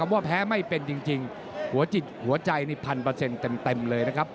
ว่าแพ้ไม่เป็นจริงหัวจิตหัวใจนี่พันเปอร์เซ็นต์เต็มเลยนะครับ